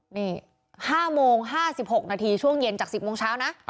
นี่๕โมง๕๖นาทีช่วงเย็นจาก๑๐โมงเช้านะ